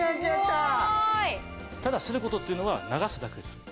ただする事っていうのは流すだけです。